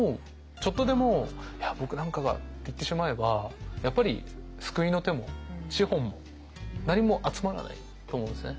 ちょっとでも「いや僕なんかが」って言ってしまえばやっぱり救いの手も資本も何も集まらないと思うんですね。